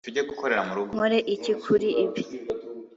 Nkore iki kuri ibi